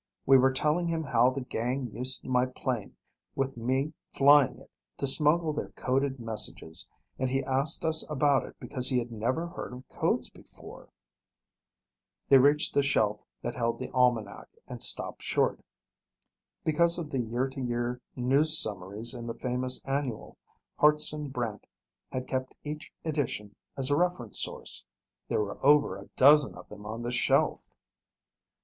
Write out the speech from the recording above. "We were telling him how the gang used my plane, with me flying it, to smuggle their coded messages, and he asked us about it because he had never heard of codes before!" They reached the shelf that held the Almanac and stopped short. Because of the year to year news summaries in the famous annual, Hartson Brant had kept each edition as a reference source. There were over a dozen of them on the shelf.